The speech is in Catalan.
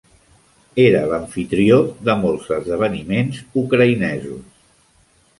Era l'amfitrió de molts esdeveniments ucraïnesos.